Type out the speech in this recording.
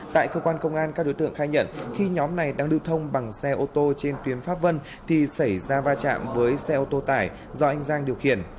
tại cơ quan công an các đối tượng khai nhận khi nhóm này đang lưu thông bằng xe ô tô trên tuyến pháp vân thì xảy ra va chạm với xe ô tô tải do anh giang điều khiển